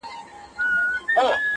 نه مي غاښ ته سي ډبري ټينگېدلاى٫